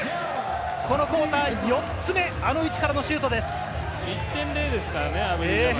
このクオーター４つ目、あの位置からのシュートです。